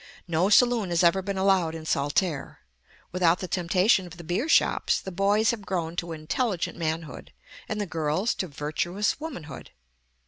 No saloon has ever been allowed in Saltaire. Without the temptation of the beer shops, the boys have grown to intelligent manhood, and the girls to virtuous womanhood.